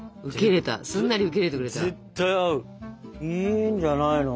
いいんじゃないの？